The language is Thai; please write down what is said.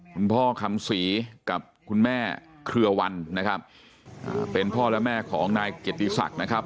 คุณพ่อคำศรีกับคุณแม่เครือวันนะครับเป็นพ่อและแม่ของนายเกียรติศักดิ์นะครับ